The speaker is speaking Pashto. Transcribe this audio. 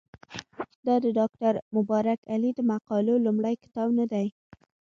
دا د ډاکټر مبارک علي د مقالو لومړی کتاب نه دی.